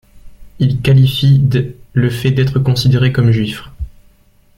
Il qualifie d' le fait d'être considéré comme juif.